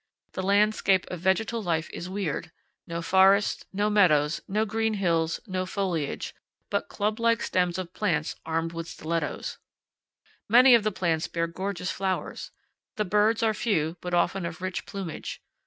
The landscape of vegetal life is weird no forests, no meadows, no green hills, no foliage, but clublike stems of plants armed with stilettos. Many of the plants bear gorgeous flowers. The birds are few, but often of rich plumage.